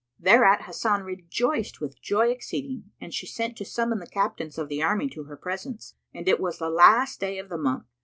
Thereat Hasan rejoiced with joy exceeding and she sent to summon the captains of the army to her presence, and it was the last day of the month.